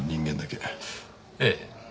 ええ。